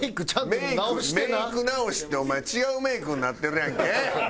メイク直しってお前違うメイクになってるやんけ！